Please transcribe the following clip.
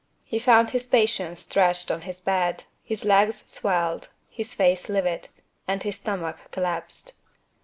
He found his patient stretched on his bed, his legs swelled, his face livid, and his stomach collapsed.